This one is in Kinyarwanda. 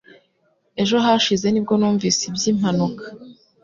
Ejo hashize nibwo numvise iby'impanuka